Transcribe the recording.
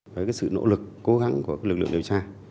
với cái sự nỗ lực cố gắng của lực lượng điều tra